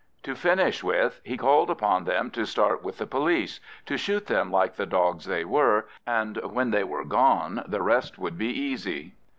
To finish with he called upon them to start with the police, to shoot them like the dogs they were, and when they were gone the rest would be easy.